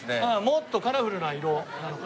もっとカラフルな色。